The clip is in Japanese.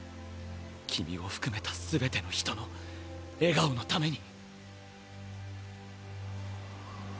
君を含めた全ての人の笑顔のために